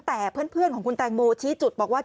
แต่เพื่อนของคุณแตงโมชี้จุดบอกว่า